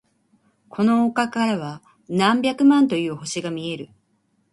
この丘からは何百万という星が見える。